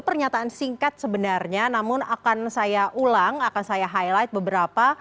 pernyataan singkat sebenarnya namun akan saya ulang akan saya highlight beberapa